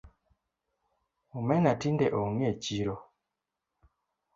Omena tinde ong’e e chiro